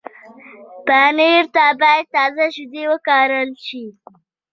پنېر ته باید تازه شیدې وکارول شي.